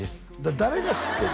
誰が知ってんの？